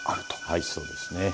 はいそうですね。